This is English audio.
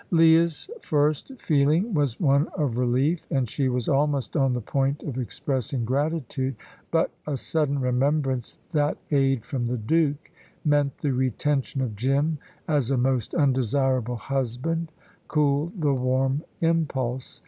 Leah's first feeling was one of relief, and she was almost on the point of expressing gratitude, but a sudden remembrance that aid from the Duke meant the retention of Jim as a most undesirable husband, cooled the warm impulse.